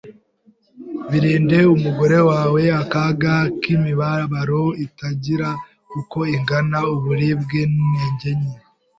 birinde umugore wawe akaga k’imibabaro itagira uko ingana, uburibwe n’intege nke…